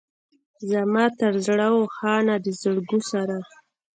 زما تر زړه و خانه د زرګو سره.